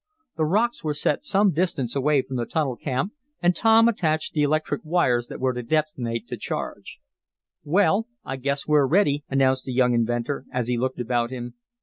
The rocks were set some distance away from the tunnel camp, and Tom attached the electric wires that were to detonate the charge. "Well, I guess we're ready," announced the young inventor, as he looked about him.